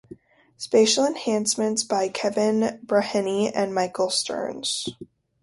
Spatial enhancements by Kevin Braheny and Michael Stearns.